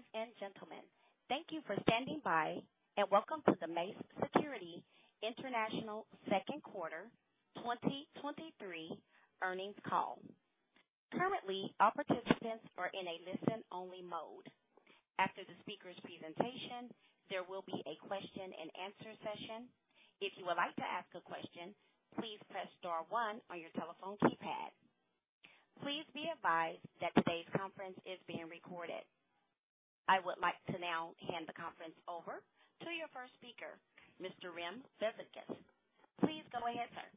Ladies and gentlemen, thank you for standing by, and welcome to the Mace Security International Second Quarter 2023 Earnings Call. Currently, all participants are in a listen-only mode. After the speaker's presentation, there will be a question and answer session. If you would like to ask a question, please press star one on your telephone keypad. Please be advised that today's conference is being recorded. I would like to now hand the conference over to your first speaker, Mr. Remigijus Belzinskas. Please go ahead, sir.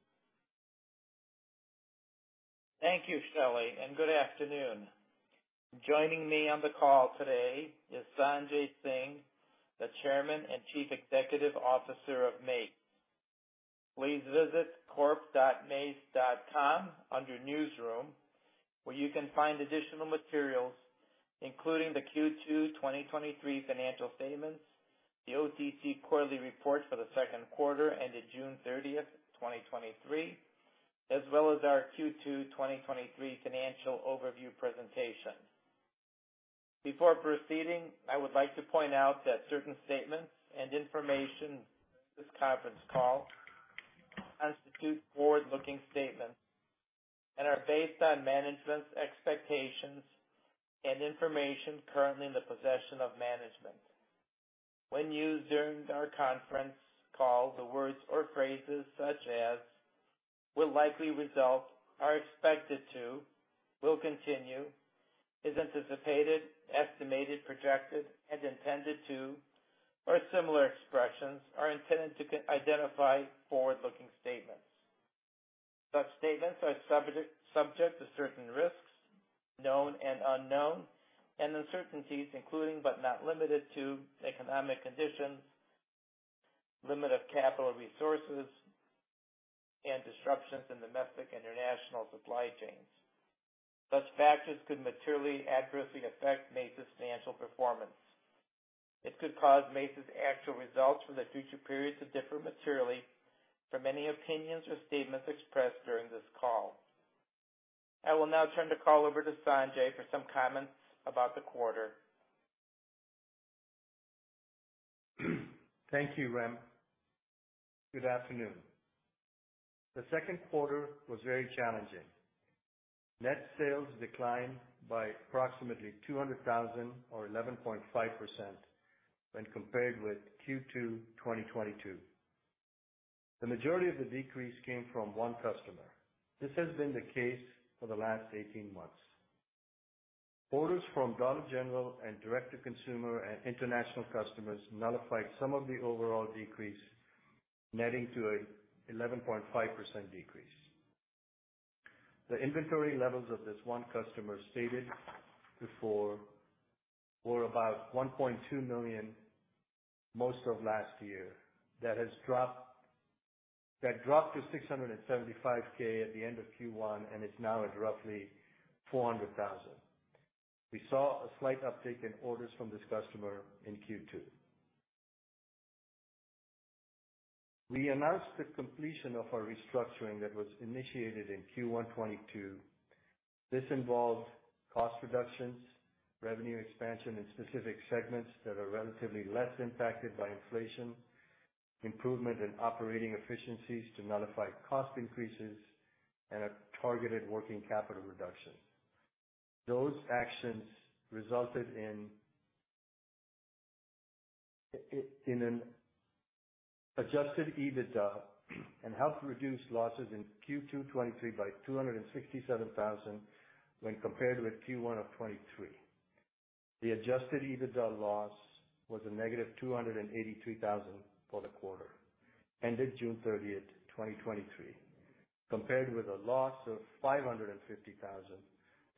Thank you, Shelly. Good afternoon. Joining me on the call today is Sanjay Singh, the Chairman and Chief Executive Officer of Mace. Please visit corp.mace.com under Newsroom, where you can find additional materials, including the Q2 2023 financial statements, the OTC quarterly report for the second quarter ended June 30th, 2023, as well as our Q2 2023 financial overview presentation. Before proceeding, I would like to point out that certain statements and information in this conference call constitute forward-looking statements and are based on management's expectations and information currently in the possession of management. When used during our conference call, the words or phrases such as will likely result, are expected to, will continue, is anticipated, estimated, projected, and intended to, or similar expressions, are intended to identify forward-looking statements. Such statements are subject, subject to certain risks, known and unknown, and uncertainties, including, but not limited to, economic conditions, limit of capital resources, and disruptions in domestic and international supply chains. Such factors could materially adversely affect Mace's financial performance. It could cause Mace's actual results for the future periods to differ materially from any opinions or statements expressed during this call. I will now turn the call over to Sanjay for some comments about the quarter. Thank you, Rem. Good afternoon. The second quarter was very challenging. Net sales declined by approximately $200,000 or 11.5% when compared with Q2 2022. The majority of the decrease came from one customer. This has been the case for the last 18 months. Orders from Dollar General and direct-to-consumer and international customers nullified some of the overall decrease, netting to a 11.5% decrease. The inventory levels of this one customer stated before were about $1.2 million, most of last year. That dropped to $675,000 at the end of Q1, and it's now at roughly $400,000. We saw a slight uptick in orders from this customer in Q2. We announced the completion of our restructuring that was initiated in Q1 2022. This involved cost reductions, revenue expansion in specific segments that are relatively less impacted by inflation, improvement in operating efficiencies to nullify cost increases, and a targeted working capital reduction. Those actions resulted in an adjusted EBITDA and helped reduce losses in Q2 2023 by $267,000 when compared with Q1 2023. The adjusted EBITDA loss was a negative $283,000 for the quarter ended June 30th, 2023, compared with a loss of $550,000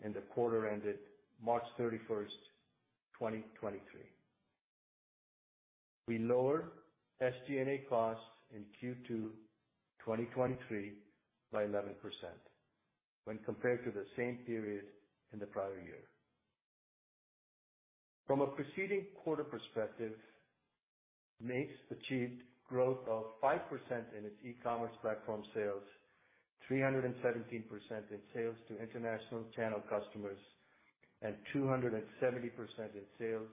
in the quarter ended March 31st, 2023. We lowered SG&A costs in Q2 2023 by 11% when compared to the same period in the prior year. From a preceding quarter perspective, Mace achieved growth of 5% in its e-commerce platform sales, 317% in sales to international channel customers, and 270% in sales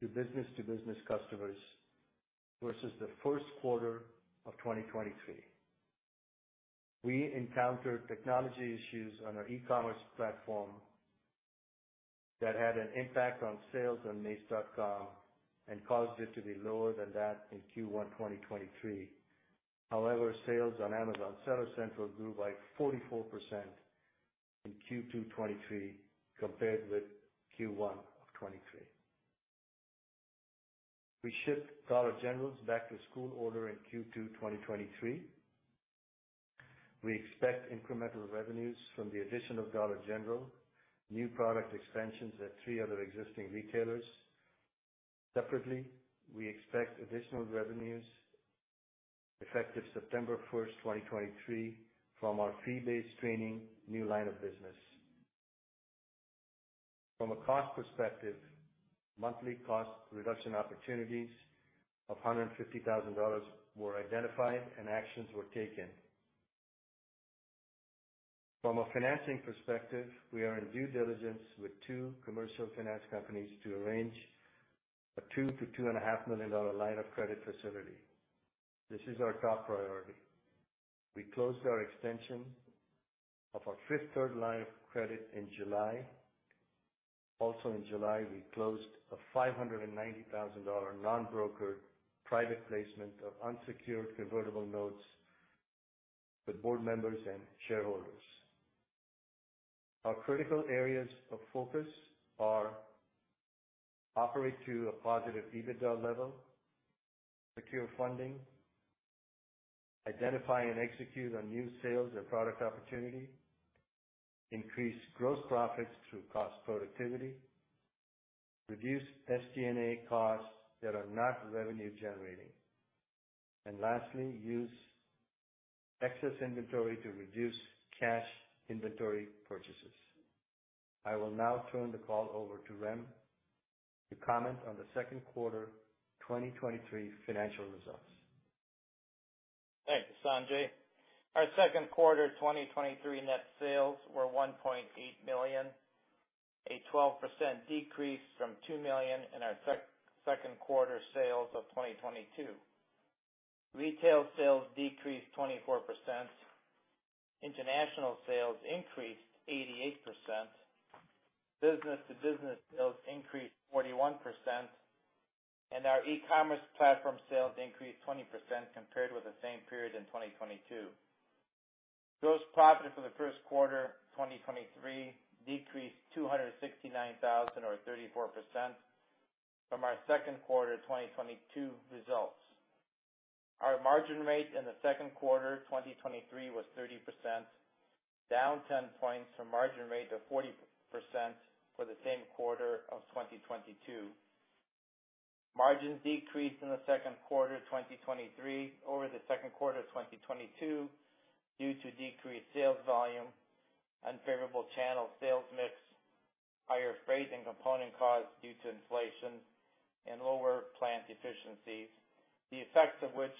to business-to-business customers versus Q1 2023. We encountered technology issues on our e-commerce platform that had an impact on sales on mace.com and caused it to be lower than that in Q1 2023. However, sales on Amazon Seller Central grew by 44% in Q2 2023 compared with Q1 2023. We shipped Dollar General's back-to-school order in Q2 2023. We expect incremental revenues from the addition of Dollar General, new product expansions at three other existing retailers. Separately, we expect additional revenues effective September 1st, 2023, from our fee-based training new line of business. From a cost perspective, monthly cost reduction opportunities of $150,000 were identified and actions were taken. From a financing perspective, we are in due diligence with two commercial finance companies to arrange a $2 million to $2.5 million line of credit facility. This is our top priority. We closed our extension of our Fifth Third line of credit in July. Also in July, we closed a $590,000 non-brokered private placement of unsecured convertible notes with board members and shareholders. Our critical areas of focus are operate to a positive EBITDA level, secure funding, identify and execute on new sales and product opportunity, increase gross profits through cost productivity, reduce SG&A costs that are not revenue generating, and lastly, use excess inventory to reduce cash inventory purchases. I will now turn the call over to Rem to comment on the second quarter 2023 financial results. Thanks, Sanjay. Our second quarter 2023 net sales were $1.8 million, a 12% decrease from $2 million in our second quarter sales of 2022. Retail sales decreased 24%, international sales increased 88%, business-to-business sales increased 41%, and our e-commerce platform sales increased 20% compared with the same period in 2022. Gross profit for the first quarter 2023 decreased $269,000, or 34%, from our second quarter 2022 results. Our margin rate in the second quarter 2023 was 30%, down 10 points from margin rate of 40% for the same quarter of 2022. Margins decreased in the second quarter 2023 over the second quarter of 2022 due to decreased sales volume, unfavorable channel sales mix, higher freight and component costs due to inflation, and lower plant efficiencies, the effects of which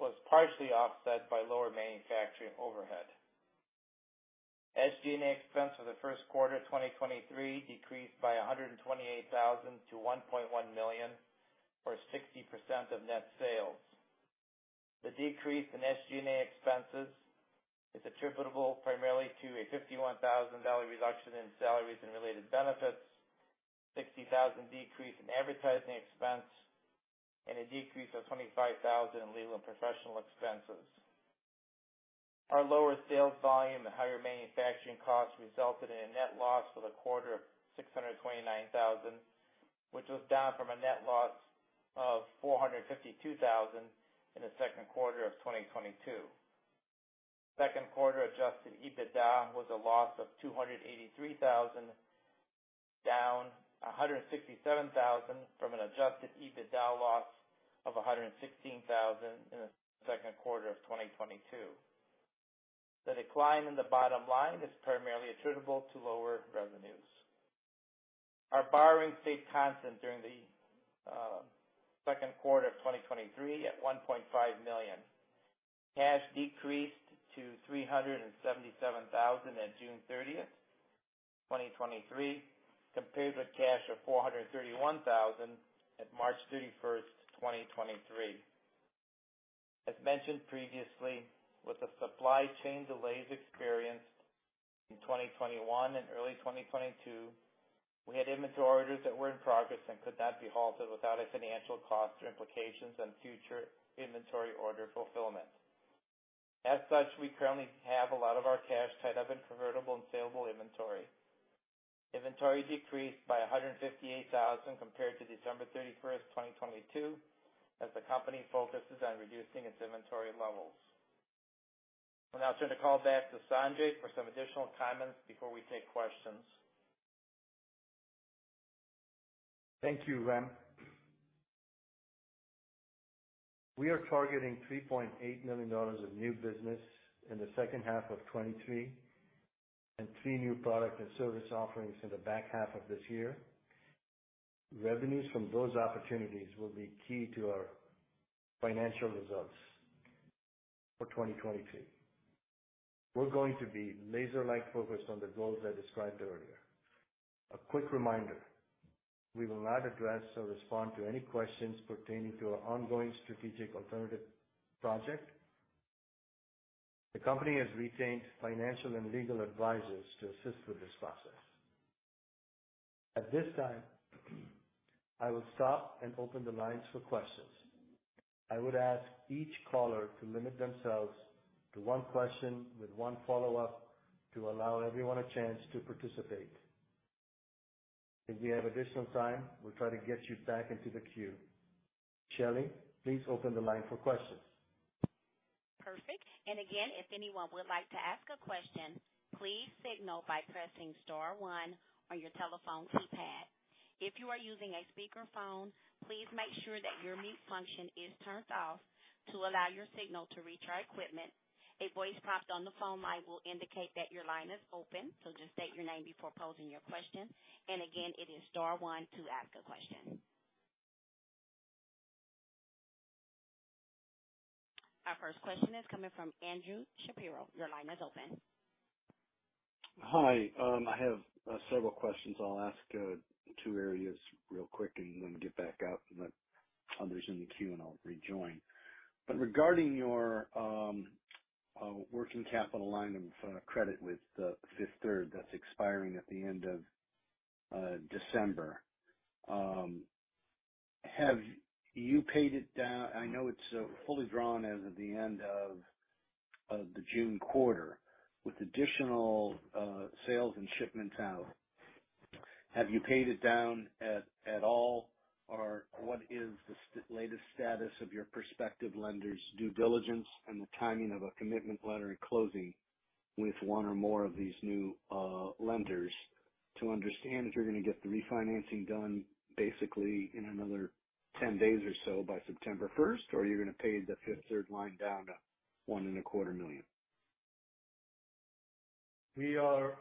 was partially offset by lower manufacturing overhead. SG&A expense for the first quarter 2023 decreased by $128,000 to $1.1 million, or 60% of net sales. The decrease in SG&A expenses is attributable primarily to a $51,000 reduction in salaries and related benefits, $60,000 decrease in advertising expense, and a decrease of $25,000 in legal and professional expenses. Our lower sales volume and higher manufacturing costs resulted in a net loss for the quarter of $629,000, which was down from a net loss of $452,000 in the second quarter of 2022. Second quarter adjusted EBITDA was a loss of $283,000, down $167,000 from an adjusted EBITDA loss of $116,000 in the second quarter of 2022. The decline in the bottom line is primarily attributable to lower revenues. Our borrowing stayed constant during the second quarter of 2023 at $1.5 million. Cash decreased to $377,000 at June 30th, 2023, compared with cash of $431,000 at March 31st, 2023. As mentioned previously, with the supply chain delays experienced in 2021 and early 2022, we had inventory orders that were in progress and could not be halted without a financial cost or implications on future inventory order fulfillment. As such, we currently have a lot of our cash tied up in convertible and saleable inventory. Inventory decreased by $158,000 compared to December 31st, 2022, as the company focuses on reducing its inventory levels. I'll now turn the call back to Sanjay for some additional comments before we take questions. Thank you, Rem. We are targeting $3.8 million of new business in the second half of 2023 and three new product and service offerings in the back half of this year. Revenues from those opportunities will be key to our financial results for 2023. We're going to be laser-like focused on the goals I described earlier. A quick reminder, we will not address or respond to any questions pertaining to our ongoing strategic alternative project. The company has retained financial and legal advisors to assist with this process. At this time, I will stop and open the lines for questions. I would ask each caller to limit themselves to one question with one follow-up, to allow everyone a chance to participate. If we have additional time, we'll try to get you back into the queue. Shelly, please open the line for questions. Perfect. Again, if anyone would like to ask a question, please signal by pressing star one on your telephone keypad. If you are using a speakerphone, please make sure that your mute function is turned off to allow your signal to reach our equipment. A voice prompt on the phone line will indicate that your line is open, so just state your name before posing your question. Again, it is star one to ask a question. Our first question is coming from Andrew Shapiro. Your line is open. Hi. I have several questions. I'll ask two areas real quick, and then get back out and let others in the queue, and I'll rejoin. Regarding your working capital line of credit with the Fifth Third that's expiring at the end of December, have you paid it down? I know it's fully drawn as of the end of the June quarter. With additional sales and shipments out, have you paid it down at, at all, or what is the latest status of your prospective lenders' due diligence and the timing of a commitment letter in closing with one or more of these new lenders to understand if you're going to get the refinancing done basically in another 10 days or so, by September 1st, or you're going to pay the Fifth Third line down to $1.25 million? We are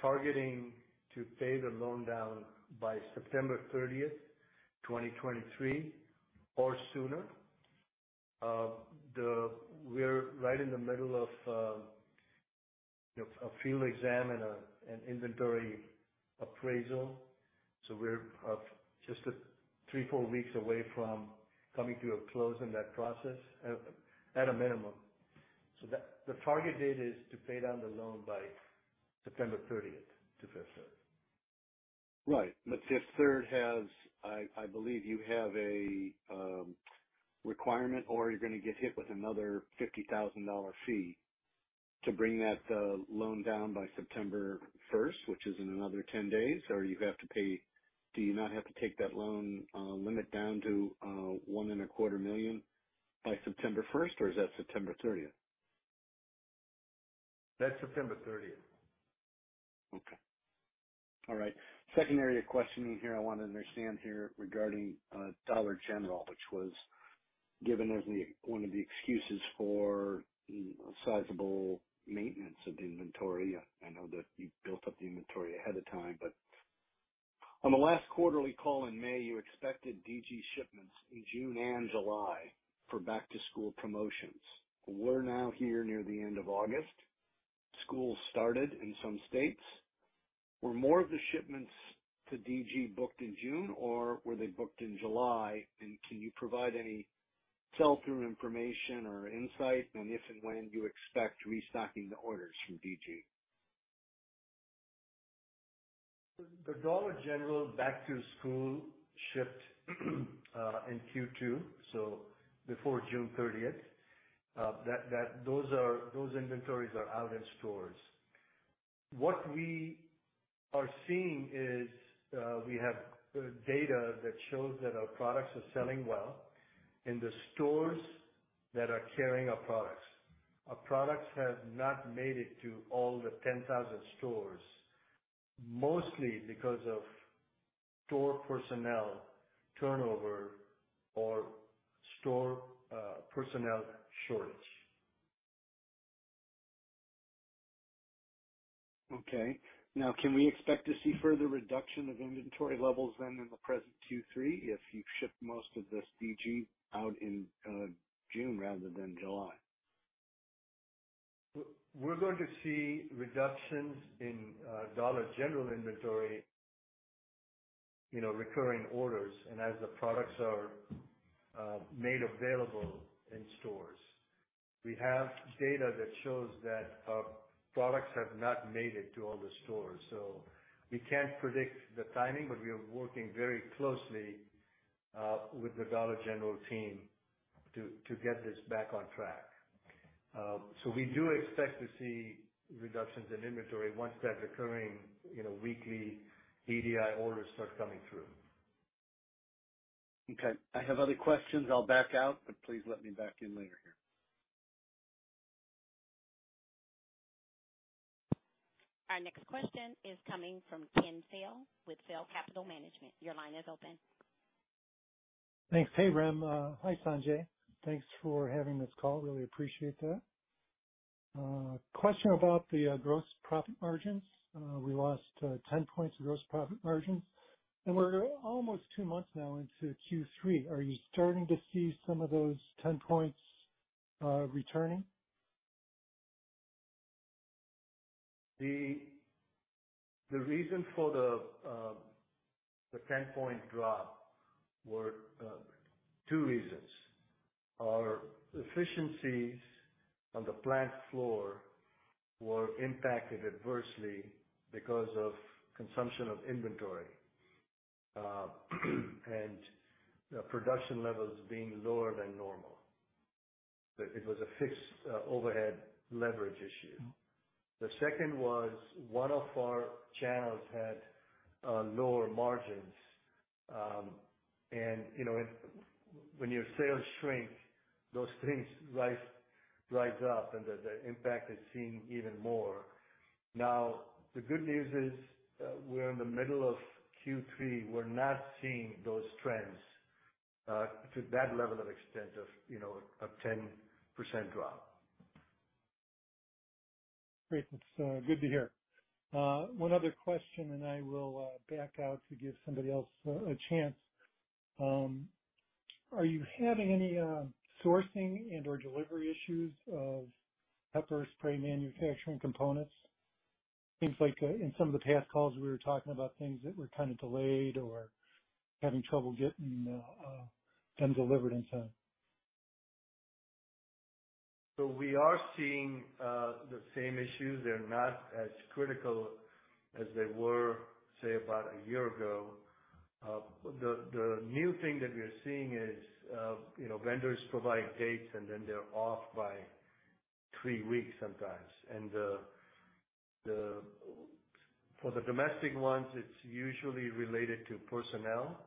targeting to pay the loan down by September 30th, 2023, or sooner. We're right in the middle of, you know, a field exam and an inventory appraisal, so we're just three, four weeks away from coming to a close in that process, at, at a minimum. That, the target date is to pay down the loan by September 30th to Fifth Third. Right. Fifth Third has, I, I believe you have a, requirement or you're going to get hit with another $50,000 fee to bring that, loan down by September 1st, which is in another 10 days, or you have to pay... Do you not have to take that loan, limit down to, $1.25 million by September 1st, or is that September 30th? That's September 30th. Okay. All right. Second area of questioning here, I want to understand here regarding, Dollar General, which was given as the, one of the excuses for, sizable maintenance of the inventory. I, I know that you built up the inventory ahead of time, but on the last quarterly call in May, you expected DG shipments in June and July for back-to-school promotions. We're now here near the end of August. School started in some states. Were more of the shipments to DG booked in June, or were they booked in July? Can you provide any sell-through information or insight on if and when you expect restocking the orders from DG? The Dollar General back-to-school shipped in Q2, so before June thirtieth. Those inventories are out in stores. What we are seeing is, we have data that shows that our products are selling well in the stores that are carrying our products. Our products have not made it to all the 10,000 stores, mostly because of store personnel turnover or store personnel shortage. Okay. Can we expect to see further reduction of inventory levels then in the present Q3 if you've shipped most of this DG out in June rather than July? We're going to see reductions in Dollar General inventory, you know, recurring orders, and as the products are made available in stores. We have data that shows that our products have not made it to all the stores. We can't predict the timing, but we are working very closely with the Dollar General team to, to get this back on track. We do expect to see reductions in inventory once that recurring, you know, weekly EDI orders start coming through. Okay. I have other questions. I'll back out, but please let me back in later here. Our next question is coming from Ken Sail with Sail Capital Management. Your line is open. Thanks. Hey, Rem. Hi, Sanjay. Thanks for having this call, really appreciate that. Question about the gross profit margins. We lost 10 points of gross profit margins, and we're almost two months now into Q3. Are you starting to see some of those 10 points returning? The, the reason for the, the 10-point drop were two reasons. Our efficiencies on the plant floor were impacted adversely because of consumption of inventory, and production levels being lower than normal. It was a fixed overhead leverage issue. Mm-hmm. The second was, one of our channels had, lower margins. You know, it, when your sales shrink, those things rise, rise up, and the, the impact is seen even more. Now, the good news is, we're in the middle of Q3, we're not seeing those trends, to that level of extent of, you know, a 10% drop. Great, that's good to hear. One other question, and I will back out to give somebody else a chance. Are you having any sourcing and/or delivery issues of pepper spray manufacturing components? Things like, in some of the past calls, we were talking about things that were kind of delayed or having trouble getting them delivered in time. We are seeing, the same issues. They're not as critical as they were, say, about a year ago. The new thing that we are seeing is, you know, vendors provide dates, and then they're off by three weeks sometimes. For the domestic ones, it's usually related to personnel,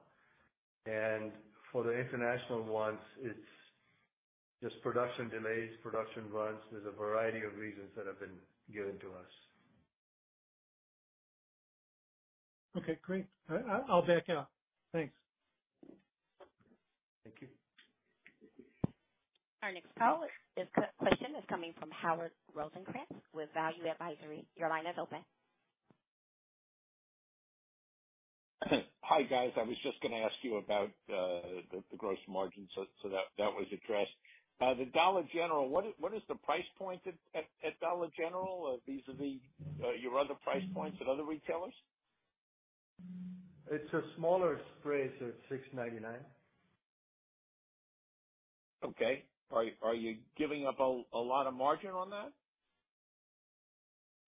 and for the international ones, it's just production delays, production runs. There's a variety of reasons that have been given to us. Okay, great. I'll back out. Thanks. Thank you. Our next question is coming from Howard Rosenkrantz with Value Advisory. Your line is open. Hi, guys. I was just going to ask you about the gross margin, so that was addressed. The Dollar General, what is the price point at Dollar General? These are the your other price points at other retailers? It's a smaller spray, so it's $6.99. Okay. Are you giving up a lot of margin on that?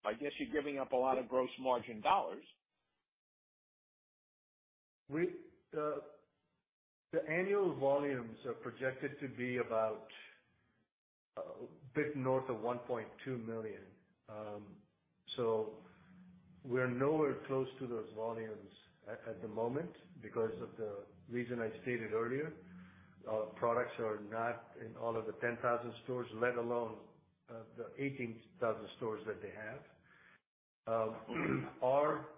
I guess you're giving up a lot of gross margin dollars. The annual volumes are projected to be about a bit north of 1.2 million. We're nowhere close to those volumes at the moment because of the reason I stated earlier. Our products are not in all of the 10,000 stores, let alone the 18,000 stores that they have. Our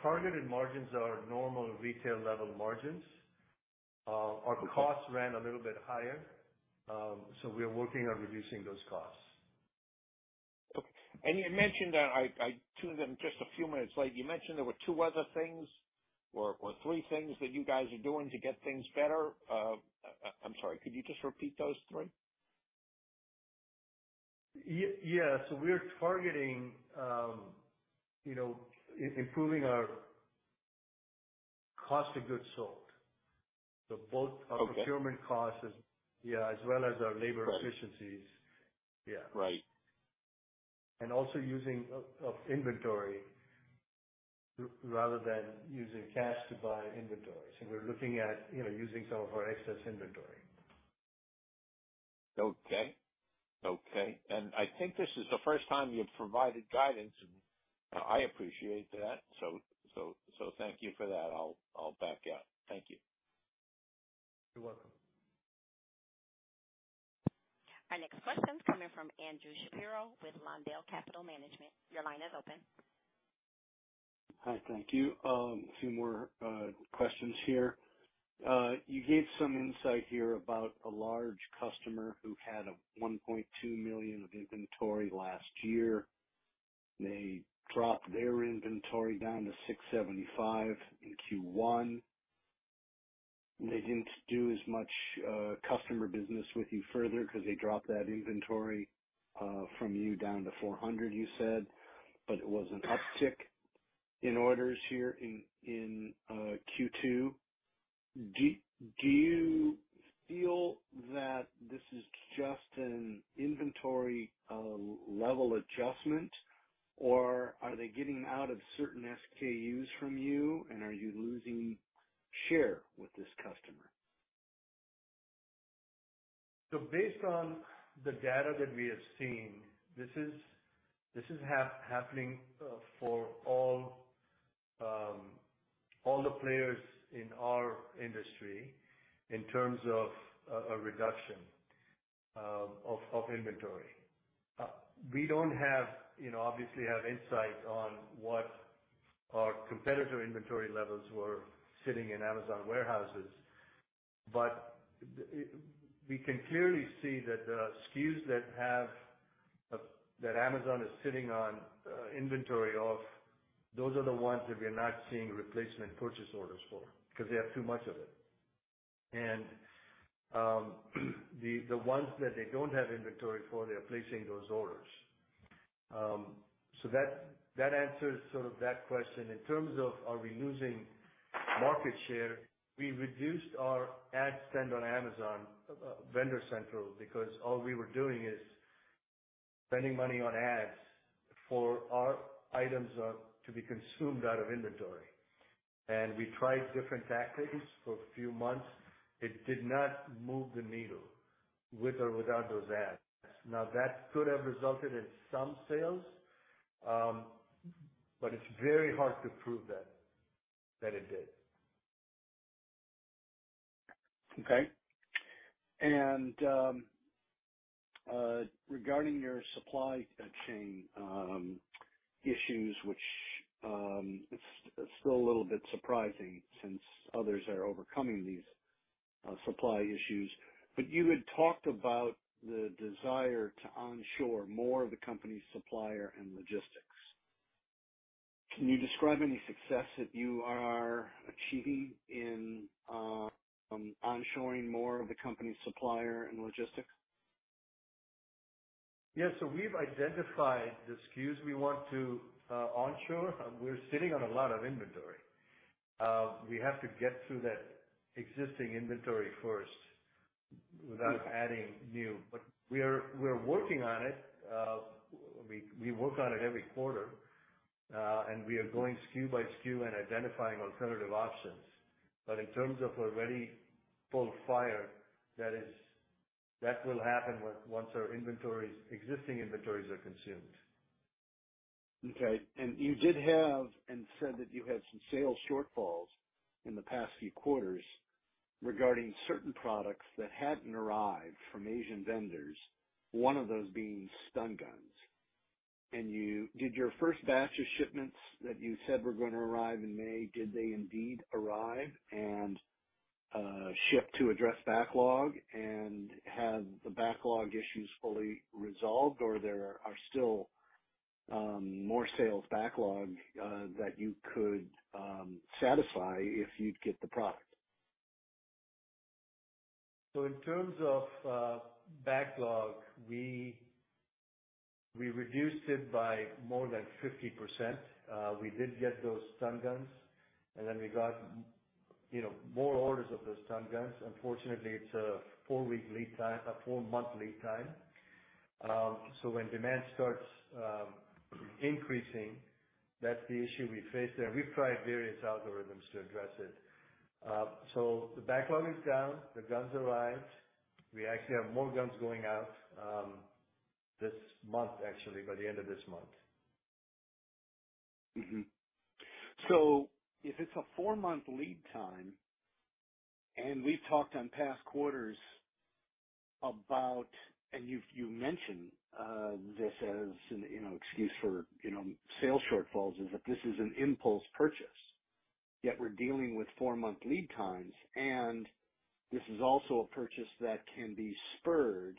targeted margins are normal retail level margins. Our costs ran a little bit higher, we are working on reducing those costs. Okay. You mentioned that I, I tuned in just a few minutes late. You mentioned there were two other things or, or three things that you guys are doing to get things better. I, I'm sorry, could you just repeat those three? Yes. We are targeting, you know, improving our cost of goods sold. Okay. -our procurement costs as, yeah, as well as our labor- Right. -efficiencies. Yeah. Right. Also using of inventory rather than using cash to buy inventories. We're looking at, you know, using some of our excess inventory. Okay. Okay. I think this is the first time you've provided guidance, and I appreciate that. So, so thank you for that. I'll, I'll back out. Thank you. You're welcome. Our next question is coming from Andrew Shapiro with Lawndale Capital Management. Your line is open. Hi. Thank you. A few more questions here. You gave some insight here about a large customer who had $1.2 million of inventory last year. They dropped their inventory down to $675,000 in Q1. They didn't do as much customer business with you further because they dropped that inventory from you down to $400,000, you said, but it was an uptick in orders here in Q2. Do, do you feel that this is just an inventory level adjustment, or are they getting out of certain SKUs from you, and are you losing share with this customer? Based on the data that we have seen, this is, this is happening for all, all the players in our industry in terms of a reduction of inventory. We don't have, you know, obviously have insight on what our competitor inventory levels were sitting in Amazon warehouses, but we can clearly see that the SKUs that Amazon is sitting on inventory of, those are the ones that we are not seeing replacement purchase orders for because they have too much of it. The ones that they don't have inventory for, they're placing those orders. That, that answers sort of that question. In terms of are we losing market share, we reduced our ad spend on Amazon Vendor Central, because all we were doing is spending money on ads for our items, to be consumed out of inventory. We tried different tactics for a few months. It did not move the needle with or without those ads. Now, that could have resulted in some sales, but it's very hard to prove that, that it did. Okay. regarding your supply chain issues, which it's still a little bit surprising since others are overcoming these.... supply issues. you had talked about the desire to onshore more of the company's supplier and logistics. Can you describe any success that you are achieving in onshoring more of the company's supplier and logistics? Yes. We've identified the SKUs we want to onshore. We're sitting on a lot of inventory. We have to get through that existing inventory first without adding new. We're working on it. We, we work on it every quarter, and we are going SKU by SKU and identifying alternative options. In terms of a ready full fire, that is, that will happen once our inventories, existing inventories are consumed. Okay. You did have, and said that you had some sales shortfalls in the past few quarters regarding certain products that hadn't arrived from Asian vendors, one of those being stun guns. Did your first batch of shipments that you said were going to arrive in May, did they indeed arrive and ship to address backlog, and have the backlog issues fully resolved? Or there are still more sales backlog that you could satisfy if you'd get the product? In terms of backlog, we reduced it by more than 50%. We did get those stun guns, and then we got, you know, more orders of those stun guns. Unfortunately, it's a four-week lead time, a four-month lead time. When demand starts increasing, that's the issue we face there. We've tried various algorithms to address it. The backlog is down, the guns arrived. We actually have more guns going out this month, actually, by the end of this month. If it's a four-month lead time, we've talked on past quarters about... You've, you mentioned, this as an, you know, excuse for, you know, sales shortfalls, is that this is an impulse purchase, yet we're dealing with four-month lead times. This is also a purchase that can be spurred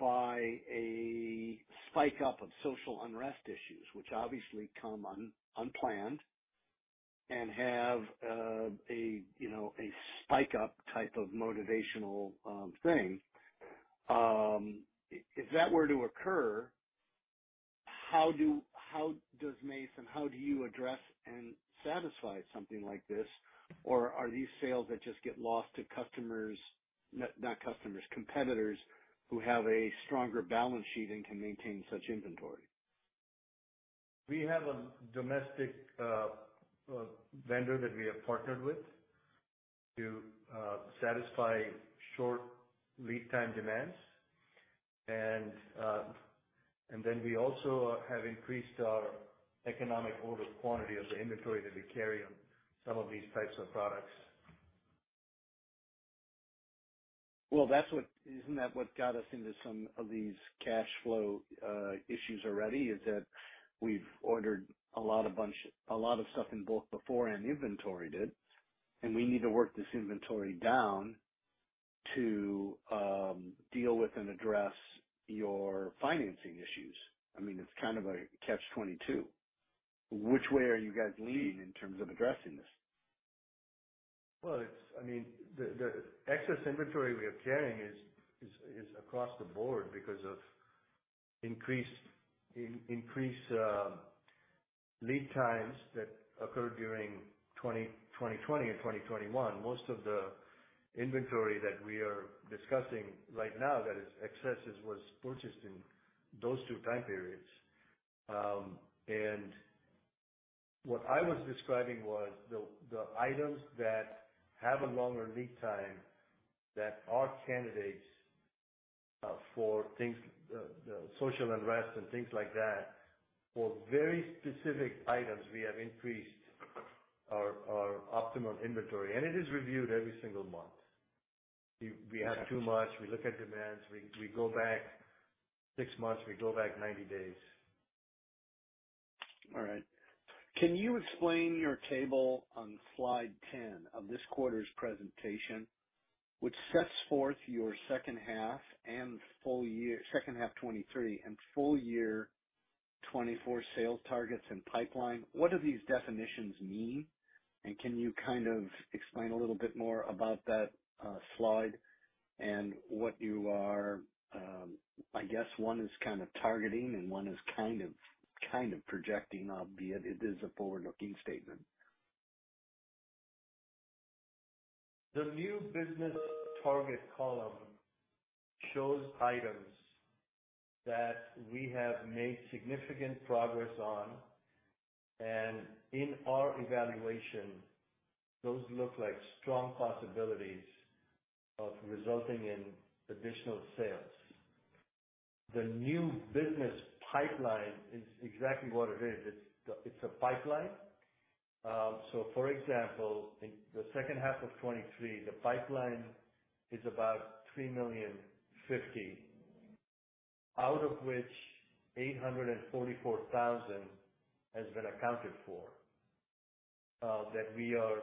by a spike up of social unrest issues, which obviously come unplanned and have, a, you know, a spike up type of motivational, thing. If that were to occur, how does Mace, and how do you address and satisfy something like this? Are these sales that just get lost to customers, not customers, competitors who have a stronger balance sheet and can maintain such inventory? We have a domestic vendor that we have partnered with to satisfy short lead time demands. Then we also have increased our economic order quantity of the inventory that we carry on some of these types of products. Well, that's what... Isn't that what got us into some of these cash flow issues already? Is that we've ordered a lot, a bunch, a lot of stuff in bulk before and inventory did, and we need to work this inventory down to deal with and address your financing issues. I mean, it's kind of a catch-22. Which way are you guys leaning in terms of addressing this? Well, it's, I mean, the, the excess inventory we are carrying is, is, is across the board because of increased, increased lead times that occurred during 2020 and 2021. Most of the inventory that we are discussing right now, that is excesses, was purchased in those two time periods. What I was describing was the, the items that have a longer lead time that are candidates for things, social unrest and things like that. For very specific items, we have increased our, our optimum inventory, and it is reviewed every single month. We, we have too much, we look at demands, we, we go back 6 months, we go back 90 days. All right. Can you explain your table on slide 10 of this quarter's presentation, which sets forth your second half and full year, second half 2023 and full year 2024 sales targets and pipeline? What do these definitions mean? Can you kind of explain a little bit more about that slide and what you are, I guess one is kind of targeting and one is kind of projecting, albeit it is a forward-looking statement. The new business target column shows items that we have made significant progress on, and in our evaluation, those look like strong possibilities of resulting in additional sales. The new business pipeline is exactly what it is. It's, it's a pipeline. So for example, in the second half of 2023, the pipeline is about $3,000,050.... out of which $844,000 has been accounted for, that we are,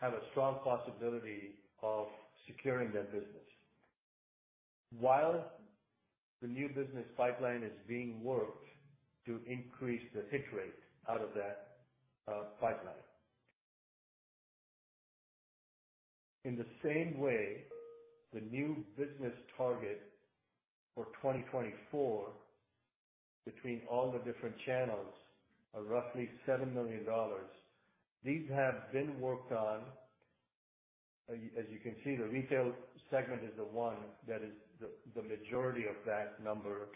have a strong possibility of securing that business. While the new business pipeline is being worked to increase the hit rate out of that pipeline. In the same way, the new business target for 2024, between all the different channels, are roughly $7 million. These have been worked on. As, as you can see, the retail segment is the one that is the, the majority of that number.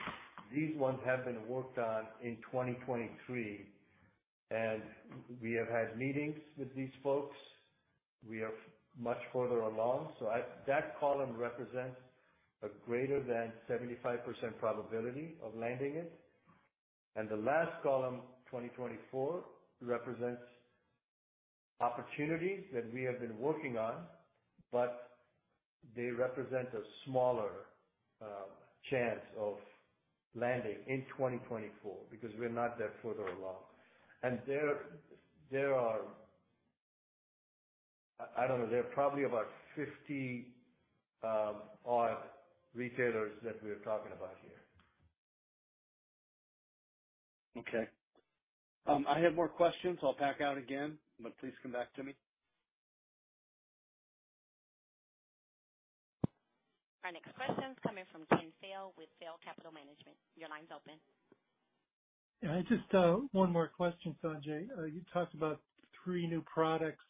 These ones have been worked on in 2023, and we have had meetings with these folks. We are much further along. That column represents a greater than 75% probability of landing it. The last column, 2024, represents opportunities that we have been working on, but they represent a smaller chance of landing in 2024 because we're not that further along. There are probably about 50 odd retailers that we are talking about here. Okay. I have more questions. I'll back out again, but please come back to me. Our next question is coming from Ken Sail with Sail Capital Management. Your line's open. Yeah, just one more question, Sanjay. You talked about three new products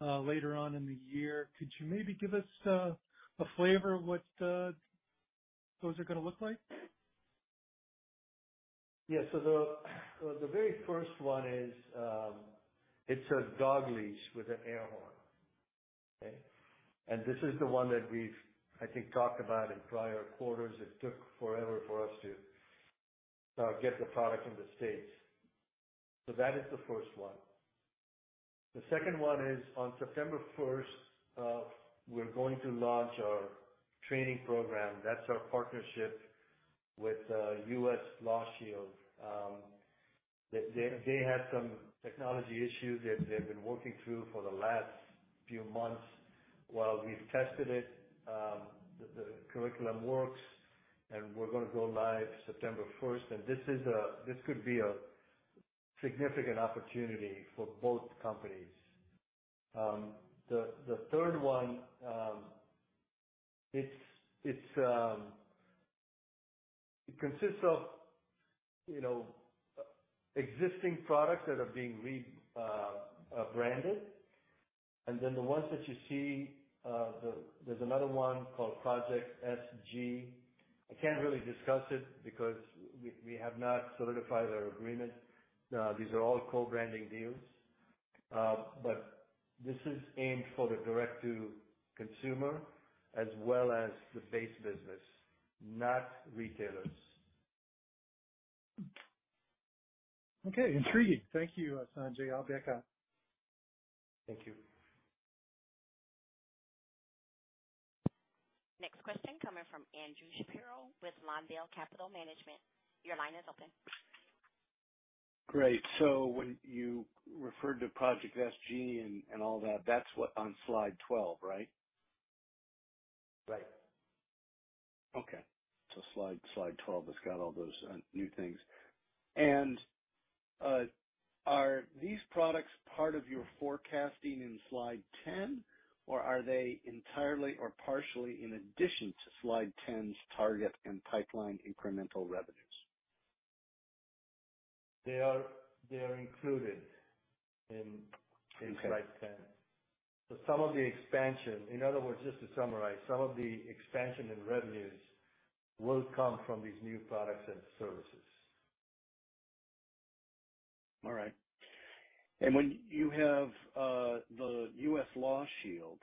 later on in the year. Could you maybe give us a flavor of what those are going to look like? Yeah. The, the very first one is, it's a Dog Leash with an Air Horn. Okay? This is the one that we've, I think, talked about in prior quarters. It took forever for us to get the product in the States. That is the first one. The second one is on September first, we're going to launch our training program. That's our partnership with U.S. LawShield. They, they, they had some technology issues that they've been working through for the last few months while we've tested it. The, the curriculum works, and we're going to go live September first, and this could be a significant opportunity for both companies. The, the third one, it's, it's, it consists of, you know, existing products that are being re-branded. Then the ones that you see, there's another one called Project SG. I can't really discuss it because we, we have not solidified our agreement. These are all co-branding deals, but this is aimed for the direct-to-consumer as well as the base business, not retailers. Okay. Intriguing. Thank you, Sanjay. I'll back out. Thank you. Next question coming from Andrew Shapiro with Lawndale Capital Management. Your line is open. Great. When you referred to Project SG and all that, that's what on slide 12, right? Right. Okay. slide, slide 12 has got all those new things. Are these products part of your forecasting in slide 10, or are they entirely or partially in addition to slide 10's target and pipeline incremental revenues? They are, they are included in- Okay. in slide 10. Some of the expansion... In other words, just to summarize, some of the expansion in revenues will come from these new products and services. All right. When you have the U.S. LawShield,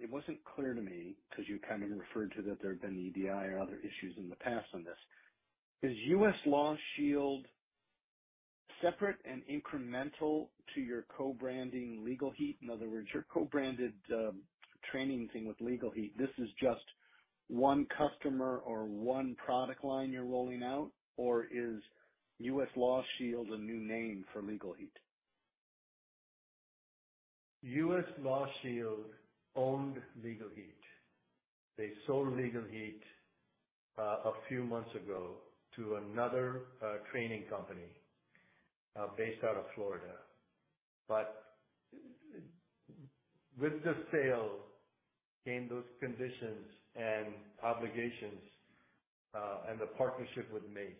it wasn't clear to me, because you kind of referred to that there had been EDI or other issues in the past on this. Is U.S. LawShield separate and incremental to your co-branding Legal Heat? In other words, your co-branded training thing with Legal Heat, this is just one customer or one product line you're rolling out, or is U.S. LawShield a new name for Legal Heat? U.S. LawShield owned Legal Heat. They sold Legal Heat, a few months ago to another training company, based out of Florida. With the sale came those conditions and obligations, and the partnership with MACE.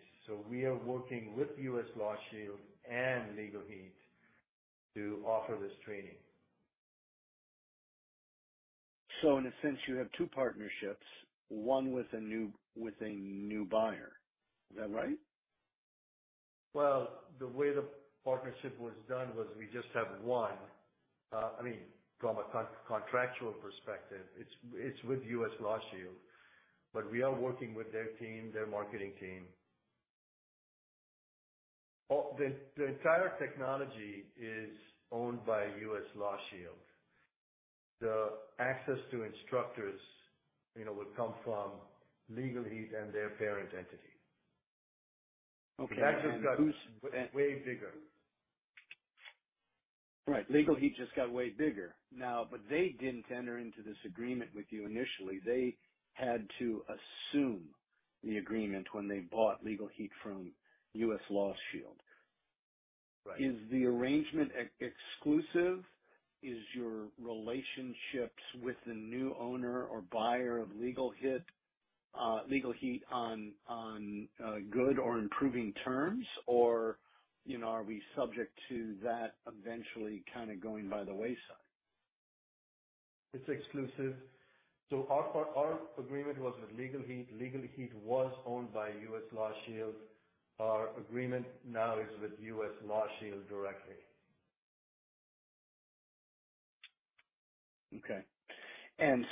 We are working with U.S. LawShield and Legal Heat to offer this training. In a sense, you have two partnerships, one with a new, with a new buyer. Is that right? The way the partnership was done was we just have one. I mean, from a contractual perspective, it's, it's with U.S. LawShield, but we are working with their team, their marketing team. The entire technology is owned by U.S. LawShield. The access to instructors, you know, will come from Legal Heat and their parent entity. Okay, who's- Way bigger. Right. Legal Heat just got way bigger. Now, they didn't enter into this agreement with you initially. They had to assume the agreement when they bought Legal Heat from U.S. LawShield. Right. Is the arrangement ex-exclusive? Is your relationships with the new owner or buyer of Legal Heat, Legal Heat on, on, good or improving terms? You know, are we subject to that eventually kind of going by the wayside? It's exclusive. Our, our agreement was with Legal Heat. Legal Heat was owned by U.S. LawShield. Our agreement now is with U.S. LawShield directly. Okay.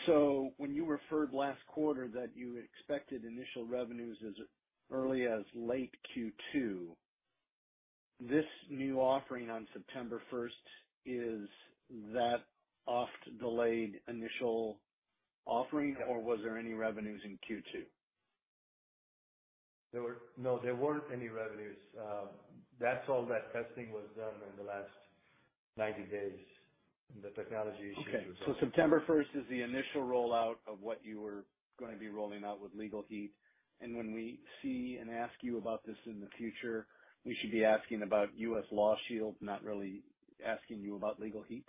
So when you referred last quarter that you expected initial revenues as early as late Q2, this new offering on September 1st, is that oft-delayed initial offering? Or was there any revenues in Q2? No, there weren't any revenues. That's all that testing was done in the last 90 days, the technology issues. Okay, so September first is the initial rollout of what you were going to be rolling out with Legal Heat, and when we see and ask you about this in the future, we should be asking about U.S. LawShield, not really asking you about Legal Heat?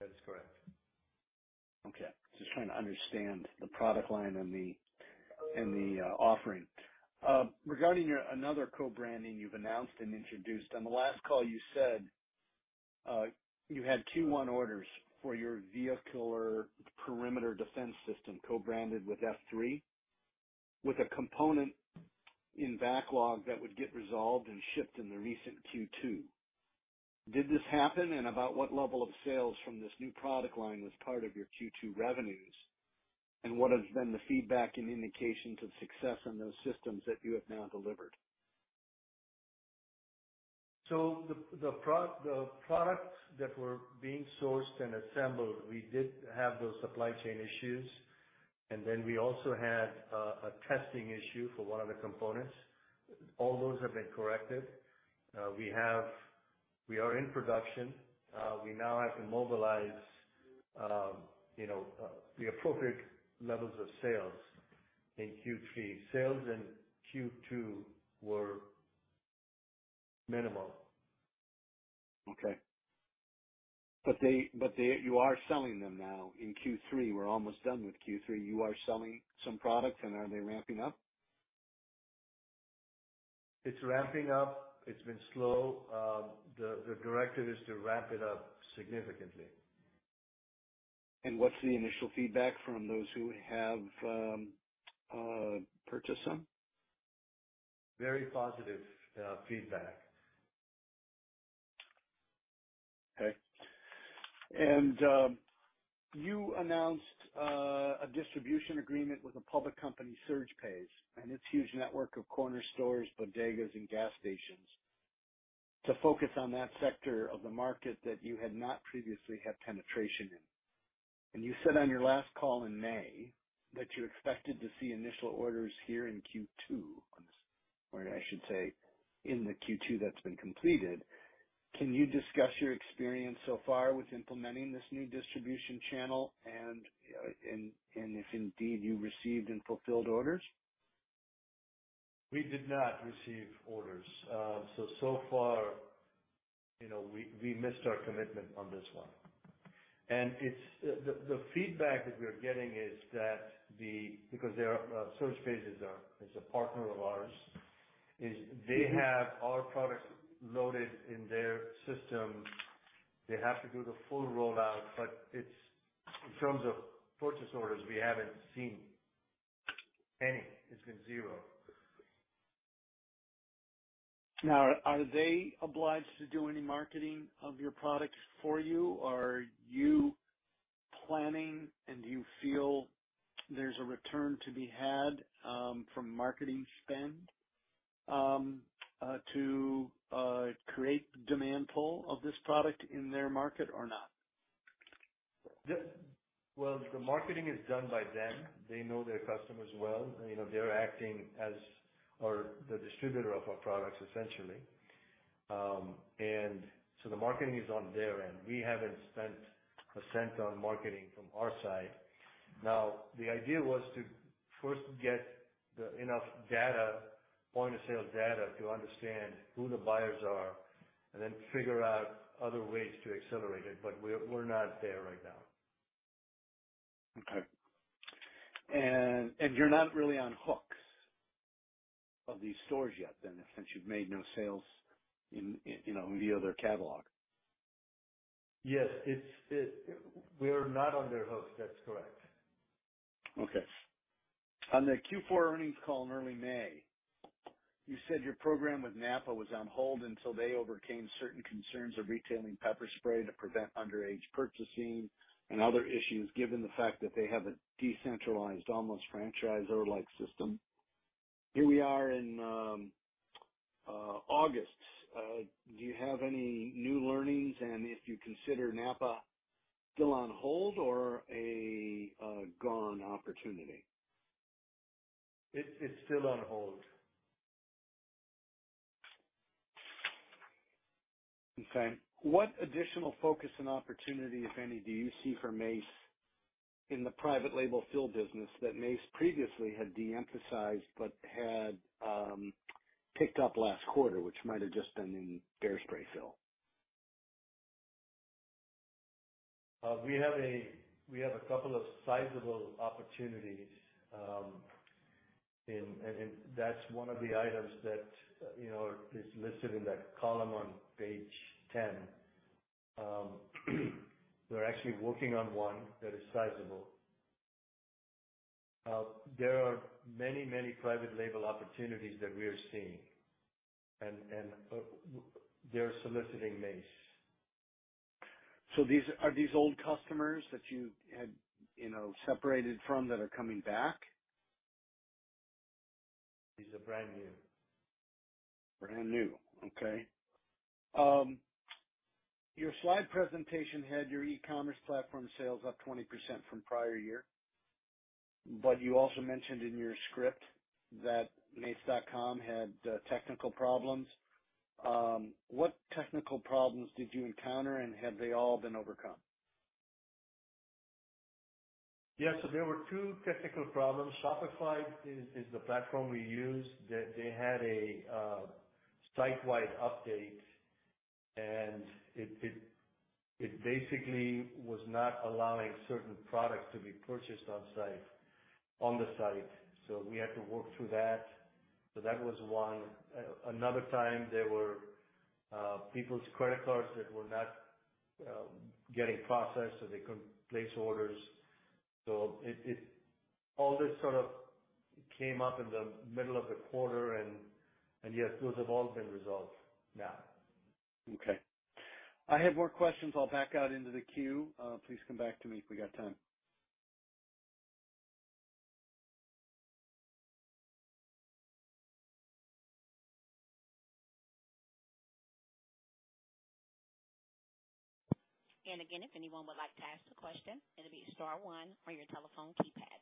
That is correct. Okay. Just trying to understand the product line and the, and the, offering. Regarding your another co-branding you've announced and introduced, on the last call, you said, you had 21 orders for your vehicle or perimeter defense system, co-branded with F3, with a component in backlog that would get resolved and shipped in the recent Q2. Did this happen? About what level of sales from this new product line was part of your Q2 revenues? What has been the feedback and indications of success on those systems that you have now delivered? The products that were being sourced and assembled, we did have those supply chain issues, and then we also had a testing issue for one of the components. All those have been corrected. We are in production. We now have to mobilize, you know, the appropriate levels of sales in Q3. Sales in Q2 were minimal. Okay. They, but they, you are selling them now in Q3. We're almost done with Q3. You are selling some product, and are they ramping up? It's ramping up. It's been slow. The directive is to ramp it up significantly. What's the initial feedback from those who have, purchased some? Very positive feedback. Okay. You announced a distribution agreement with a public company, SurgePays, and its huge network of corner stores, bodegas, and gas stations to focus on that sector of the market that you had not previously had penetration in. You said on your last call in May, that you expected to see initial orders here in Q2, or I should say, in the Q2 that's been completed. Can you discuss your experience so far with implementing this new distribution channel and if indeed you received and fulfilled orders? We did not receive orders. So far, you know, we, we missed our commitment on this one. The feedback that we are getting is that because there are, SurgePays is a partner of ours, is they have our products loaded in their system. They have to do the full rollout, but it's, in terms of purchase orders, we haven't seen any. It's been zero. Now, are they obliged to do any marketing of your products for you? Are you planning, and do you feel there's a return to be had, from marketing spend, to create demand pull of this product in their market or not? Yes. Well, the marketing is done by them. They know their customers well. You know, they're acting as, or the distributor of our products, essentially. So the marketing is on their end. We haven't spent a cent on marketing from our side. Now, the idea was to first get enough data, point-of-sale data, to understand who the buyers are and then figure out other ways to accelerate it. We're, we're not there right now. Okay. And you're not really on hooks of these stores yet then, since you've made no sales in, you know, in the other catalog? Yes, it's. We are not on their hooks. That's correct. Okay. On the Q4 earnings call in early May, you said your program with NAPA was on hold until they overcame certain concerns of retailing pepper spray to prevent underage purchasing and other issues, given the fact that they have a decentralized, almost franchisor-like system. Here we are in August. Do you have any new learnings? If you consider NAPA still on hold or a gone opportunity. It, it's still on hold. Okay. What additional focus and opportunity, if any, do you see for Mace in the private label fill business that Mace previously had de-emphasized but had picked up last quarter, which might have just been in bear spray fill? We have a, we have a couple of sizable opportunities, and, and that's one of the items that, you know, is listed in that column on page 10. We're actually working on one that is sizable. There are many, many private label opportunities that we are seeing, and, and, they're soliciting Mace. These are these old customers that you had, you know, separated from that are coming back? These are brand new. Brand new. Okay. Your slide presentation had your e-commerce platform sales up 20% from prior year, but you also mentioned in your script that mace.com had technical problems. What technical problems did you encounter, and have they all been overcome? Yes. There were two technical problems. Shopify is, is the platform we use. They, they had a site-wide update, and it, it, it basically was not allowing certain products to be purchased on site, on the site. We had to work through that. That was one. Another time, there were people's credit cards that were not getting processed, so they couldn't place orders. It, it. All this sort of came up in the middle of the quarter and, and yes, those have all been resolved now. Okay. I have more questions. I'll back out into the queue. Please come back to me if we got time. Again, if anyone would like to ask a question, it'll be star one on your telephone keypad.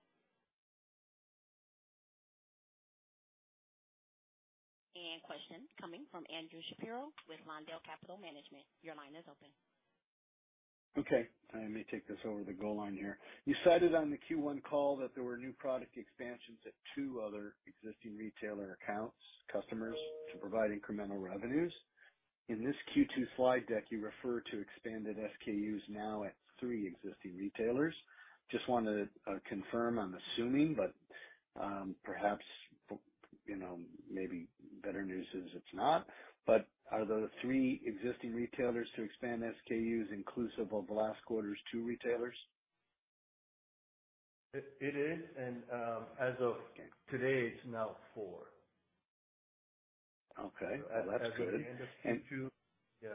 Question coming from Andrew Shapiro with Lawndale Capital Management. Your line is open. Okay, I may take this over the goal line here. You cited on the Q1 call that there were new product expansions at two other existing retailer accounts, customers, to provide incremental revenues. In this Q2 slide deck, you refer to expanded SKUs now at three existing retailers. Just want to confirm, I'm assuming, but perhaps, you know, maybe better news is it's not. Are the three existing retailers to expand SKUs inclusive of last quarter's two retailers? It, it is, and, as of today, it's now four. Okay, that's good. At the end of Q2. Yeah.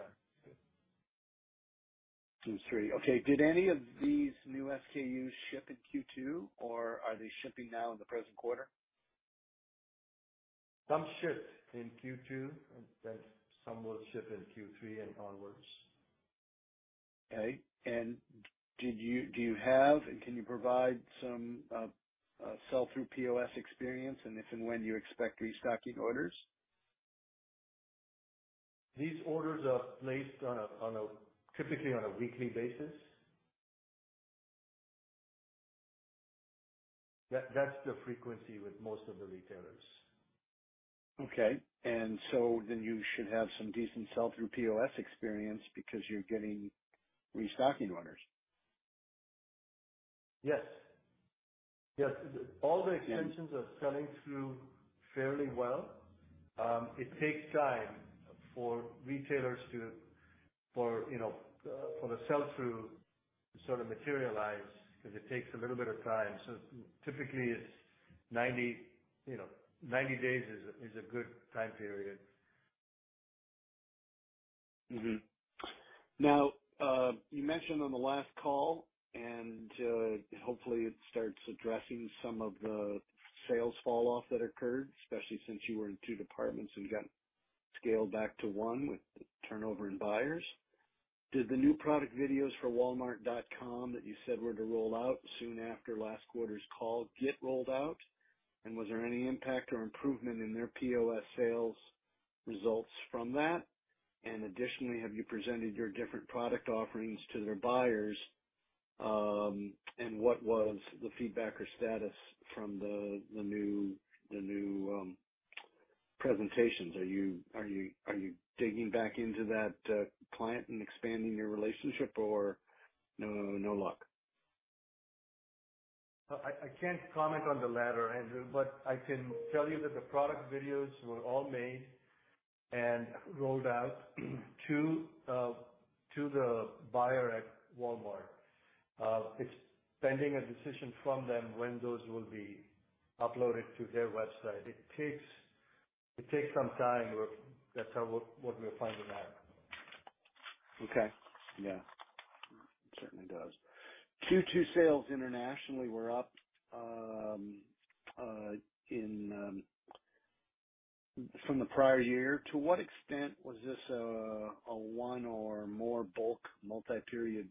Q3. Okay. Did any of these new SKUs ship in Q2, or are they shipping now in the present quarter? Some shipped in Q2, and some will ship in Q3 and onwards. Okay. Did you -- do you have, and can you provide some, sell-through POS experience, and if and when do you expect restocking orders? These orders are placed on a, typically on a weekly basis. That's the frequency with most of the retailers. You should have some decent sell-through POS experience because you're getting restocking orders. Yes. Yes, all the extensions are selling through fairly well. It takes time for retailers to, for, you know, for the sell-through to sort of materialize, because it takes a little bit of time. Typically, it's 90, you know, 90 days is a, is a good time period. Mm-hmm. Now, you mentioned on the last call, and hopefully it starts addressing some of the sales falloff that occurred, especially since you were in two departments and got scaled back to one with the turnover in buyers. Did the new product videos for walmart.com that you said were to roll out soon after last quarter's call get rolled out? Was there any impact or improvement in their POS sales results from that? Additionally, have you presented your different product offerings to their buyers, and what was the feedback or status from the new presentations? Are you, are you, are you digging back into that client and expanding your relationship or no, no luck? I can't comment on the latter, Andrew, but I can tell you that the product videos were all made and rolled out to, to the buyer at Walmart. It's pending a decision from them when those will be uploaded to their website. It takes, it takes some time. That's what we're finding out. Okay. Yeah, certainly does. Q2 sales internationally were up, in, from the prior year. To what extent was this a one or more bulk multi-period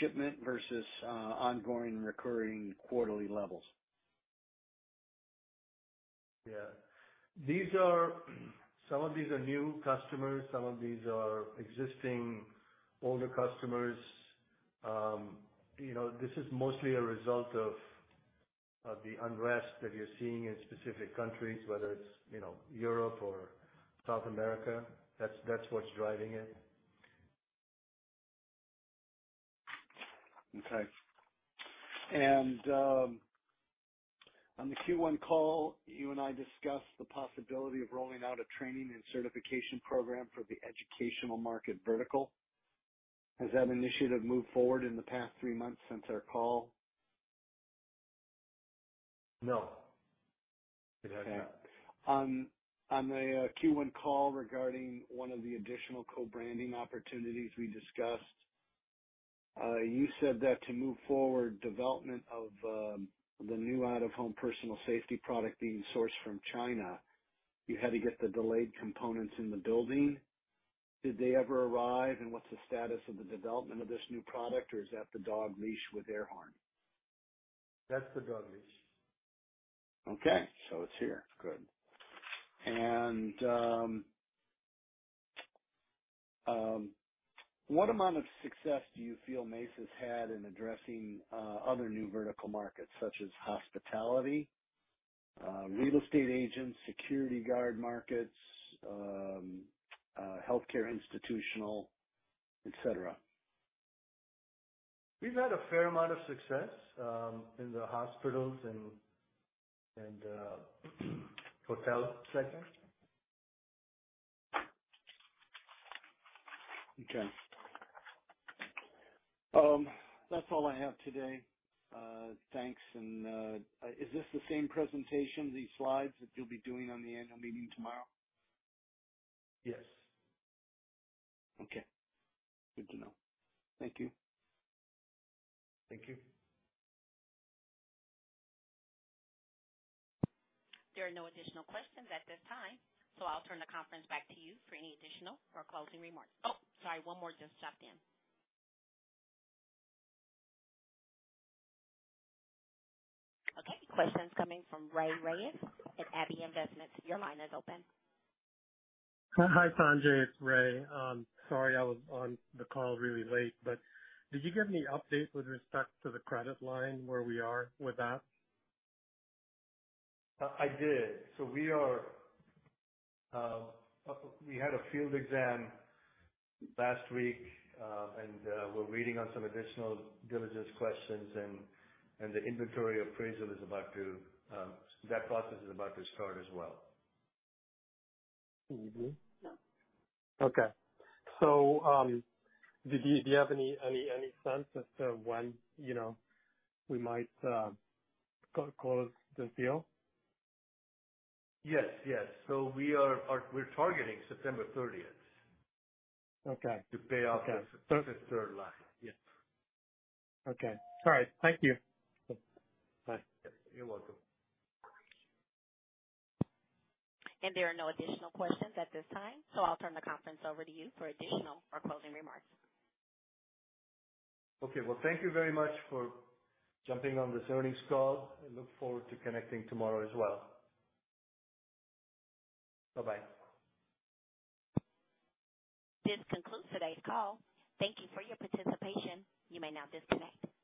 shipment versus ongoing recurring quarterly levels? Yeah. These Some of these are new customers, some of these are existing older customers. You know, this is mostly a result of, of the unrest that you're seeing in specific countries, whether it's, you know, Europe or South America. That's, that's what's driving it. Okay. On the Q1 call, you and I discussed the possibility of rolling out a training and certification program for the educational market vertical. Has that initiative moved forward in the past three months since our call? No, it has not. On, on the Q1 call regarding one of the additional co-branding opportunities we discussed, you said that to move forward development of the new out-of-home personal safety product being sourced from China, you had to get the delayed components in the building. Did they ever arrive? What's the status of the development of this new product, or is that the Dog Leash with Air Horn? That's the Dog Leash. Okay, so it's here. Good. What amount of success do you feel Mace has had in addressing other new vertical markets, such as hospitality, real estate agents, security guard markets, healthcare, institutional, et cetera? We've had a fair amount of success, in the hospitals and hotel sector. Okay. That's all I have today. Thanks. Is this the same presentation, the slides that you'll be doing on the annual meeting tomorrow? Yes. Okay. Good to know. Thank you. Thank you. There are no additional questions at this time, so I'll turn the conference back to you for any additional or closing remarks. Oh, sorry, one more just dropped in. Okay, question's coming from Rey Reyes at Abby Investments. Your line is open. Hi, Sanjay. It's Ray. Sorry, I was on the call really late, but did you give any update with respect to the credit line, where we are with that? I did. We are. We had a field exam last week, and we're waiting on some additional diligence questions, and the inventory appraisal is about to, that process is about to start as well. Okay. Do you, do you have any, any, any sense as to when, you know, we might close the deal? Yes. Yes. We are, we're targeting September 30th. Okay. To pay off the third line. Yes. Okay. All right. Thank you. Bye. You're welcome. There are no additional questions at this time, so I'll turn the conference over to you for additional or closing remarks. Okay. Well, thank you very much for jumping on this earnings call, and look forward to connecting tomorrow as well. Bye-bye. This concludes today's call. Thank you for your participation. You may now disconnect.